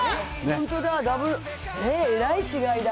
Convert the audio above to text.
本当だ。